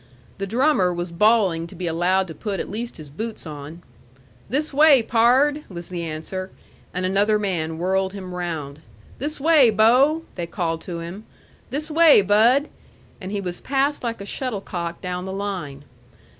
The drummer was bawling to be allowed to put at least his boots on. "This way, Pard," was the answer; and another man whirled him round. "This way, Beau!" they called to him; "This way, Budd!" and he was passed like a shuttle cock down the line.